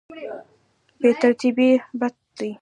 بې ترتیبي بد دی.